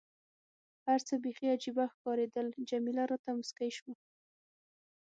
هر څه بیخي عجيبه ښکارېدل، جميله راته موسکۍ شوه.